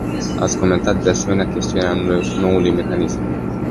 Ați comentat, de asemenea, chestiunea noului mecanism.